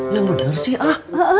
ya benar sih ah